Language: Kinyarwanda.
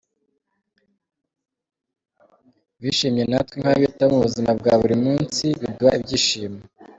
Bishimye natwe nk’ababitaho mu buzima bwa buri munsi biduha ibyishimo.